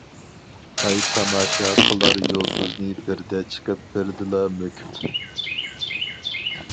ئاي تاماشا قىلار يۇلتۇزنى بىردە چىقىپ بىردىلا مۆكۈپ.